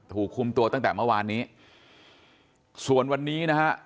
ถูกคุมตัวตั้งแต่เมื่อวานนี้ส่วนวันนี้นะฮะ